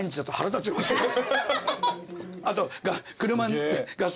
あと。